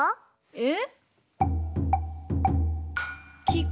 えっ！